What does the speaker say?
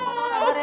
kamu mau ngapain